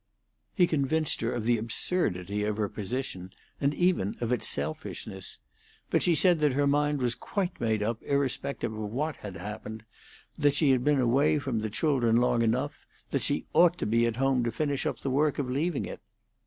He convinced her of the absurdity of her position, and even of its selfishness; but she said that her mind was quite made up irrespective of what had happened, that she had been away from the children long enough; that she ought to be at home to finish up the work of leaving it.